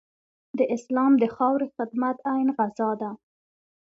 د اسلام د خاورې خدمت عین غزا ده.